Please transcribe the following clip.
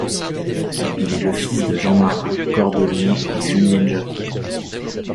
Il est le fils de Jean Marin, cordonnier, et Julienne Jacquot.